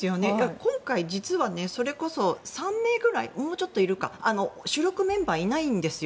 今回、実は３名ぐらいもうちょっといるか主力メンバーがいないんですよ